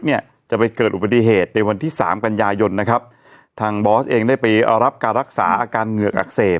เออจับได้ตรงตรงนั้นน่ะ